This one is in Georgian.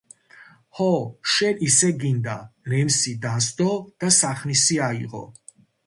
ჰო, შენ ისე გინდა - ნემსი დასდო და სახნისი აიღო.